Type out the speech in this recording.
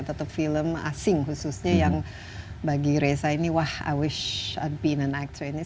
tetap film asing khususnya yang bagi reza ini wah i wish i been an actor ini